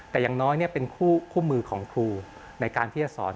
แต่อย่างน้อยเป็นคู่มือของครูในการที่จะสอน